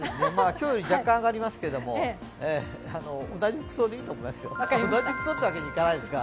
今日より若干、上がりますけど同じ服装でいいと思います。